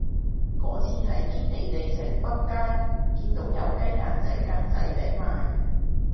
嗰次喺堅尼地城北街見到有雞蛋仔格仔餅賣